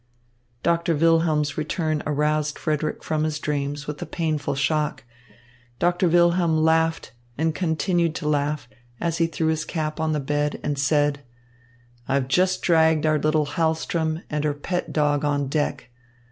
Doctor Wilhelm's return aroused Frederick from his dreams with a painful shock. Doctor Wilhelm laughed and continued to laugh, as he threw his cap on the bed and said: "I've just dragged our little Hahlström and her pet dog on deck.